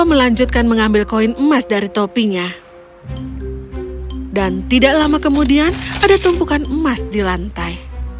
melanjutkan mengambil koin emas dari topinya dan tidak lama kemudian ada tumpukan emas di lantai